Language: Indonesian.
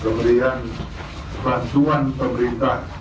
pemberian bantuan pemerintah